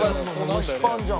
蒸しパンじゃん。